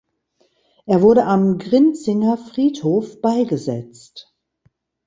Er wurde am Grinzinger Friedhof beigesetzt.